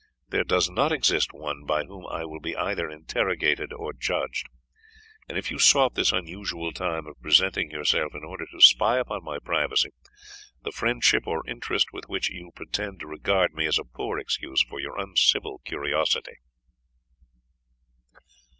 There does not exist one by whom I will be either interrogated or judged; and if you sought this unusual time of presenting yourself in order to spy upon my privacy, the friendship or interest with which you pretend to regard me, is a poor excuse for your uncivil curiosity."